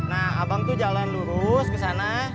nah abang tuh jalan lurus kesana